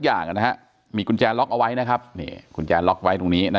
อย่างนะฮะมีกุญแจล็อกเอาไว้นะครับนี่กุญแจล็อกไว้ตรงนี้นะ